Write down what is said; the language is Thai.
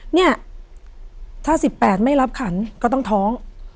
เนี่ยถ้า๑๘ไม่รับขันก็ต้องท้อง